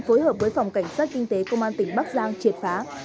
phối hợp với phòng cảnh sát kinh tế công an tỉnh bắc giang triệt phá